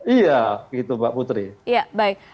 iya gitu pak putri